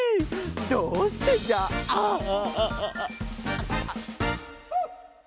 どうしてじゃああああ。